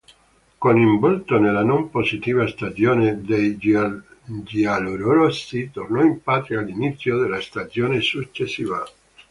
Coinvolto nella non positiva stagione dei giallorossi, tornò in patria all'inizio della stagione successiva.